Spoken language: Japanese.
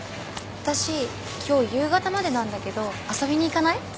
私今日夕方までなんだけど遊びに行かない？